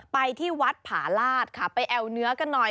ไปที่วัดผาลาศค่ะไปแอวเนื้อกันหน่อย